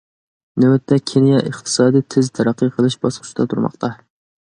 نۆۋەتتە، كېنىيە ئىقتىسادىي تېز تەرەققىي قىلىش باسقۇچىدا تۇرماقتا.